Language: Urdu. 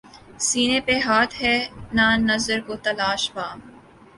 سینے پہ ہاتھ ہے نہ نظر کو تلاش بام